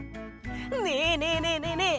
ねえねえねえねえねえ